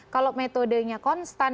kalau metodenya konstan